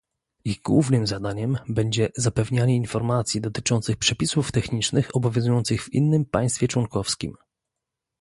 Ich głównym zadaniem będzie zapewnianie informacji dotyczących przepisów technicznych obowiązujących w innym państwie członkowskim